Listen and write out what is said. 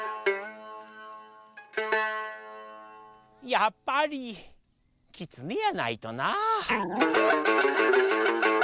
やっぱりきつねやないとな。